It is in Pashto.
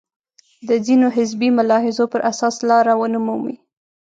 د ځینو حزبي ملاحظو پر اساس لاره ونه مومي.